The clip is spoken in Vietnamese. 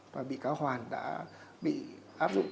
và bị cáo hoàn đã bị áp dụng